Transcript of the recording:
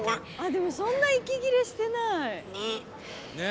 でもそんな息切れしてない。ね！